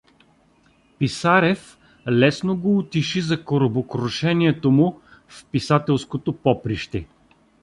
Писарев лесно го утеши за корабокрушението му в писателското поприще.